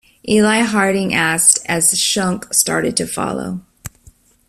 Eli Harding asked, as Shunk started to follow.